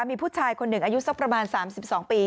มีผู้ชายคนหนึ่งอายุสักประมาณ๓๒ปี